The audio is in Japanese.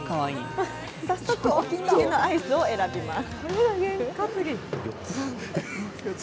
早速、お気に入りのアイスを選びます。